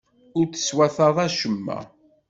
Ur teswataḍ acemma.